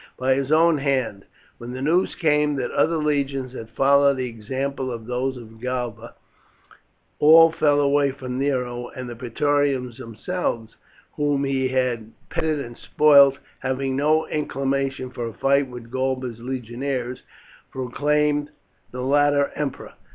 "By his own hand. When the news came that other legions had followed the example of those of Galba, all fell away from Nero, and the Praetorians themselves, whom he had petted and spoilt, having no inclination for a fight with Galba's legionaries, proclaimed the latter emperor.